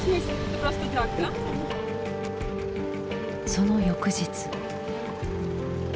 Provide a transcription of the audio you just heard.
その翌日。